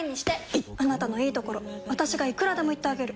いっあなたのいいところ私がいくらでも言ってあげる！